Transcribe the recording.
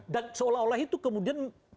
dan seolah olah itu kemudian